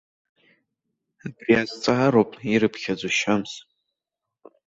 Абри азҵаароуп ирыԥхьаӡо шьамс.